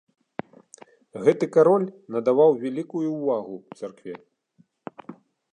Гэты кароль надаваў вялікую ўвагу царкве.